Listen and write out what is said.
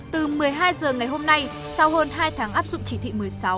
từ một mươi hai h ngày hôm nay sau hơn hai tháng áp dụng chỉ thị một mươi sáu